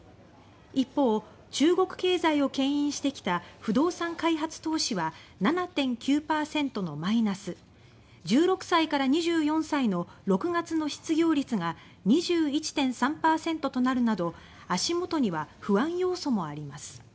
一方、中国経済を牽引してきた不動産開発投資は７．９％のマイナス１６歳から２４歳の６月の失業率が２１．３％となるなど足元には不安要素もあります。